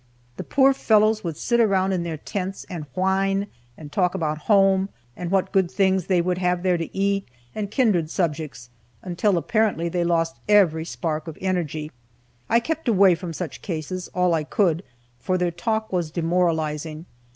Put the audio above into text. The poor fellows would sit around in their tents, and whine, and talk about home, and what good things they would have there to eat, and kindred subjects, until apparently they lost every spark of energy. I kept away from such cases all I could, for their talk was demoralizing.